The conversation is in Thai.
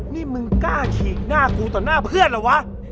นี่มึงกล้าฉีกหน้ากูต่อหน้าเพื่อนเหรอวะ